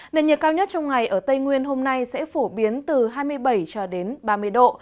nền nhiệt cao nhất trong ngày ở tây nguyên hôm nay sẽ phổ biến từ hai mươi bảy cho đến ba mươi độ